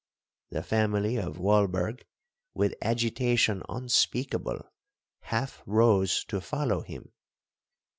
The family of Walberg, with agitation unspeakable, half rose to follow him.